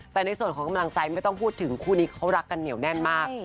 แต่ในส่วนของกำลังใจไม่ต้องพูดถึงคู่นี้เขารักกันเหนียวแน่นมาก